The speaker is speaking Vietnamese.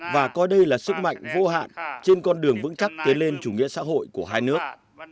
và coi đây là sức mạnh vô hạn trên con đường vững chắc tiến lên chủ nghĩa xã hội của hai nước